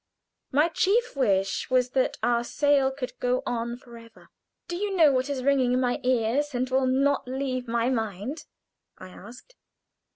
My chief wish was that our sail could go on forever. "Do you know what is ringing in my ears and will not leave my mind?" I asked.